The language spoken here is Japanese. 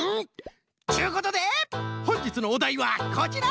っちゅうことでほんじつのおだいはこちら！